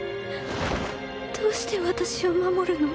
どうして私を守るの？